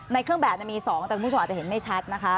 ในเครื่องแบบมี๒แต่คุณผู้ชมอาจจะเห็นไม่ชัดนะคะ